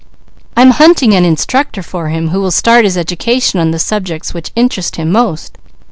I'm hunting an instructor for him who will start his education on the subjects which interest him most.